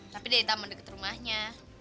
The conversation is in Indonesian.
tapi dia di taman deket rumahnya